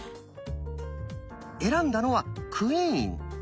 選んだのは「クイーン」。